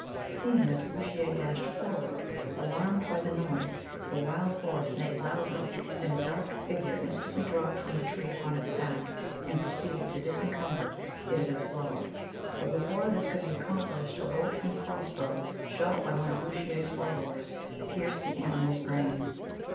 Seeing this, Bouchier dashed forward. Alarmed by the noise, the wild horse neighed loudly, and a dark figure instantly dropped from the tree upon its back, and proceeded to disencumber it of its load. But before this could be accomplished, a bolt from a cross bow, shot by one of Bouchier's followers, pierced the animal's brain.